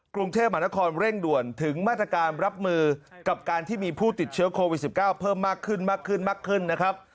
กรุงเทพมหานครเร่งด่วนถึงมาตรการรับมือกับการที่มีผู้ติดเชื้อโควิด๑๙เพิ่มมากขึ้นมากขึ้นมากขึ้นนะครับ